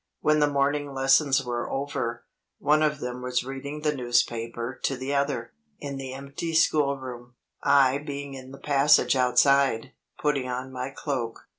When the morning lessons were over, one of them was reading the newspaper to the other, in the empty schoolroom; I being in the passage outside, putting on my cloak.